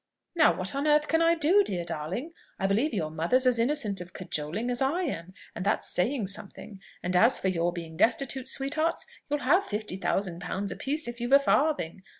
"Now what on earth can I do, dear darling? I believe your mother's as innocent of cajoling as I am, and that's saying something; and as for your being destitute, sweethearts, you'll have fifty thousand pounds apiece if you've a farthing.